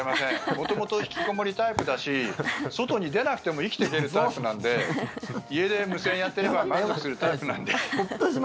元々引きこもりタイプだし外に出なくても生きていけるタイプなので家で無線やっていれば満足するタイプなので。